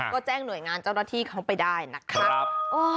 ก็แจ้งหน่วยงานเจ้าหน้าที่เขาไปได้นะครับ